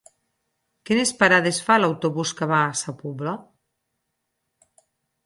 Quines parades fa l'autobús que va a Sa Pobla?